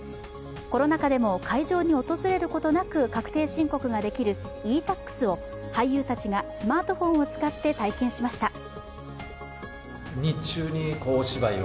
コロナ禍でも会場に訪れることなく確定申告ができるｅ−Ｔａｘを俳優たちがスマートフォンを使って体験しました。